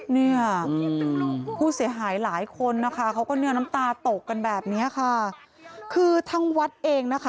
เนี่ยผู้เสียหายหลายคนนะคะเขาก็เนื้อน้ำตาตกกันแบบเนี้ยค่ะคือทางวัดเองนะคะ